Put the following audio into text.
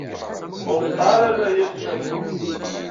Ur qeṭṭeɛ ara layas a Cabḥa